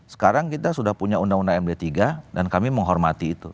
sekarang kita sudah punya undang undang md tiga dan kami menghormati itu